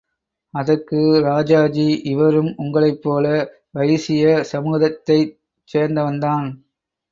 அதற்கு ராஜாஜி, இவரும் உங்களைப் போல வைசிய சமூகத்தைச் சேர்ந்தவன்தான்.